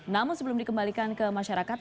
namun sebelum dikembalikan ke masyarakat